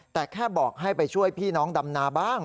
แต่แค่บอกให้ไปช่วยพี่น้องดำนาบ้าง